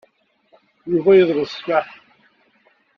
Yuba yeḍleb ssmaḥ